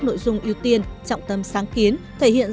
nhưng điều này nên được thực hiện